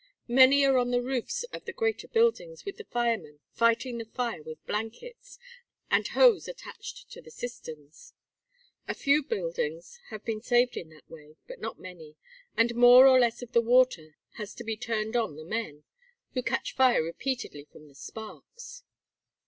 Many are on the roofs of the greater buildings with the firemen fighting the fire with blankets, and hose attached to the cisterns. A few buildings have been saved in that way, but not many, and more or less of the water has to be turned on the men, who catch fire repeatedly from the sparks."